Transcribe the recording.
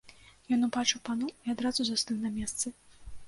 Ён убачыў паноў і адразу застыў на месцы.